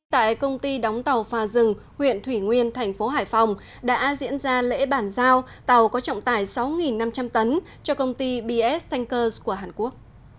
tại công ty đóng tàu phà rừng huyện thủy nguyên thành phố hải phòng đã diễn ra lễ bàn giao tàu có trọng tài sáu năm trăm linh tấn cho công ty bs tankers của hàn quốc